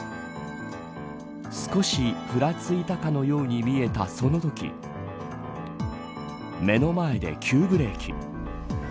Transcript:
少しふらついたかのように見えたそのとき目の前で急ブレーキ。